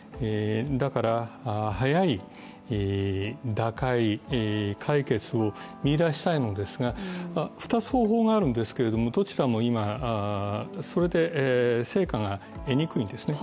だから、早い打開解決を見いだしたいのですが２つ方法があるんですけれども、どちらも今、それで成果が得にくいんですね。